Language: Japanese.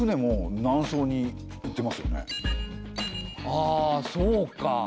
ああそうか。